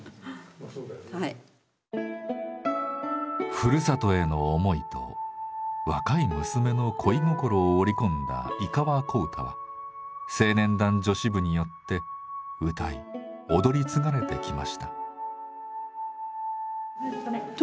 ふるさとへの思いと若い娘の恋心を織り込んだ「井川小唄」は青年団女子部によって歌い踊り継がれてきました。